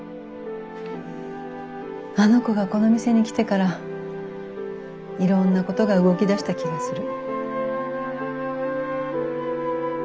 あの子がこの店に来てからいろんなことが動き出した気がする。